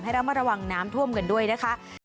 ให้รับมาระวังน้ำท่วมกันด้วยนะคะ